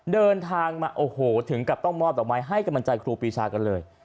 เดินทางมาโอ้โหถึงกับต้องมอบดอกไม้ให้กำลังใจครูปีชากันเลย